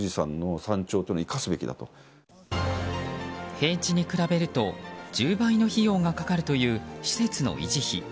平地に比べると、１０倍の費用がかかるという施設の維持費。